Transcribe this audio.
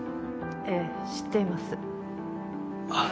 ええ知っていますああ